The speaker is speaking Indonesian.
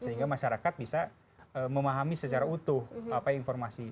sehingga masyarakat bisa memahami secara utuh informasi